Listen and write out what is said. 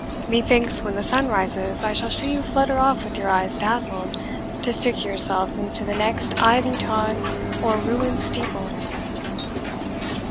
Methinks, when the sun rises, I shall see you flutter off with your eyes dazzled, to stick yourselves into the next ivy tod or ruined steeple."